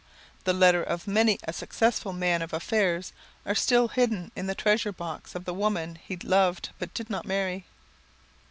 The letters of many a successful man of affairs are still hidden in the treasure box of the woman he loved, but did not marry.